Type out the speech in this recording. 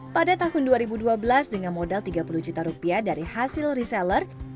pada tahun dua ribu dua belas dengan modal tiga puluh juta rupiah dari hasil reseller